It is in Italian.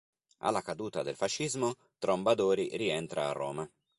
Alla caduta del fascismo, Trombadori rientra a Roma.